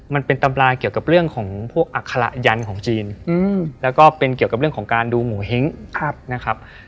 มันเป็นตำราเกี่ยวกับเรื่องของพวกอัคระยันของจีนแล้วก็เป็นเกี่ยวกับเรื่องของการดูโงเห้งนะครับ